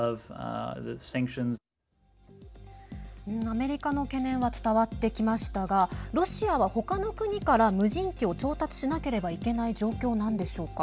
アメリカの懸念は伝わってきましたがロシアは、ほかの国から無人機を調達しなければいけない状況なんでしょうか。